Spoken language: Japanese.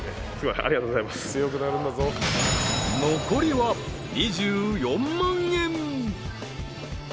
［残りは２４万円］